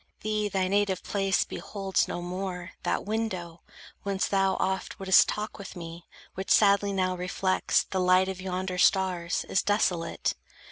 Thee thy native place Beholds no more; that window, whence thou oft Wouldst talk with me, which sadly now reflects The light of yonder stars, is desolate.